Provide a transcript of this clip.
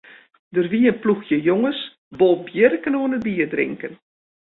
Der wie in ploechje jonges bolbjirken oan it bierdrinken.